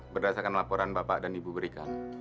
berdasarkan laporan bapak dan ibu berikan